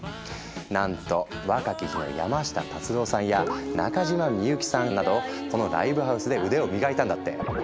なんと若き日の山下達郎さんや中島みゆきさんなどこのライブハウスで腕を磨いたんだって。